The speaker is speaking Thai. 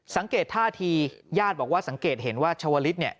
สังเกตท่าทีญาติบอกว่าสังเกตเห็นว่าชาวลิศเนี่ย